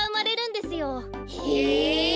へえ。